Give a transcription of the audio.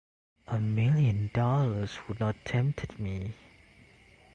A million dollars would not tempt me.